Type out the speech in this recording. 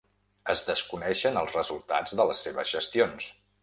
Es desconeixen els resultats de les seves gestions.